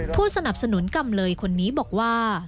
ผู้สนับสนุนกำเลยคนนี้บอกว่า